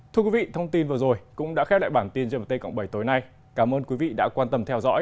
thưa quý vị thông tin vừa rồi cũng đã khép lại bản tin gmt cộng bảy tối nay cảm ơn quý vị đã quan tâm theo dõi